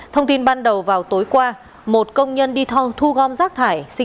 thông tin ban đầu vào tối qua một công nhân đi thu gom rác thải